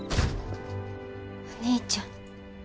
お兄ちゃん。